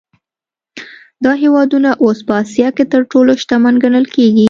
دا هېوادونه اوس په اسیا کې تر ټولو شتمن ګڼل کېږي.